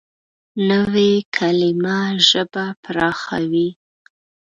نوې کلیمه ژبه پراخوي